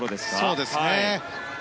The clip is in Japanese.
そうですね。